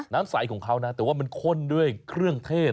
น้ำใสของเขานะแต่ว่ามันข้นด้วยเครื่องเทศ